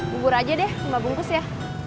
bubur aja deh mbak bungkus ya